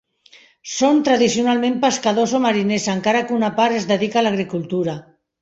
Són tradicionalment pescadors o mariners encara que una part es dedica a l'agricultura.